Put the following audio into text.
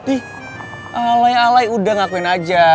ih lay alay udah ngakuin aja